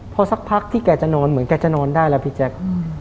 พอสักพักที่แกจะนอนเหมือนแกจะนอนได้แล้วพี่แจ๊ค